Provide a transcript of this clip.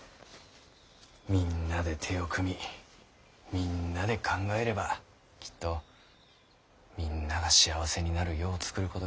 みんなで手を組みみんなで考えればきっとみんなが幸せになる世を作ることができる。